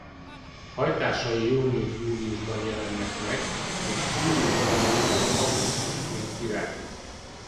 Hajtásai június-júliusban jelennek meg és július végétől augusztusig virágzik.